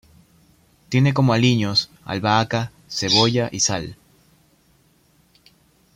Tiene como aliños: albahaca, cebolla y sal.